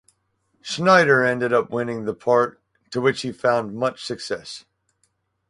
Schneider ended up winning the part, to which he found much success.